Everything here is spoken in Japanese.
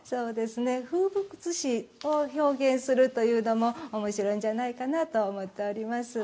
風物詩を表現するというのもおもしろいんじゃないかなと思っております。